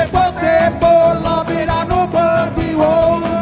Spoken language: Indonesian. karena aku yang penting